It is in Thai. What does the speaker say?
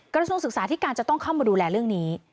กระทรวงศึกษาที่การจะต้องเข้ามาดูแลเรื่องนี้